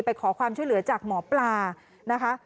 ไปขอความช่วยเหลือจากหมอปลานะคะ